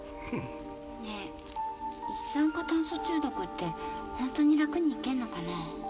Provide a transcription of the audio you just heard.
ねぇ一酸化炭素中毒ってホントに楽に逝けんのかな？